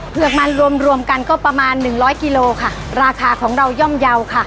มันรวมรวมกันก็ประมาณหนึ่งร้อยกิโลค่ะราคาของเราย่อมเยาว์ค่ะ